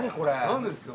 何ですか？